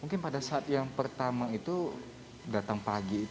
mungkin pada saat yang pertama itu datang pagi itu